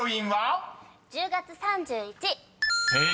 「１０月３１」です］